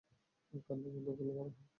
কান্না বন্ধ করলে ভালো হয়।